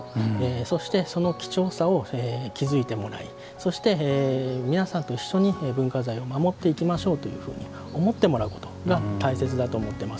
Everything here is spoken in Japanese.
そして、その貴重さを気付いてもらいそして、皆さんと一緒に文化財を守っていきましょうというふうに思ってもらうことが大切だと思ってます。